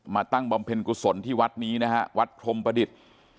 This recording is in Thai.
ตั้งบำเพ็ญกุศลที่วัดนี้นะฮะวัดพรมประดิษฐ์